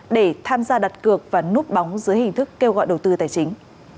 để tham gia đặt cược và núp bóng dưới hình thức kêu gọi đầu tư tài chính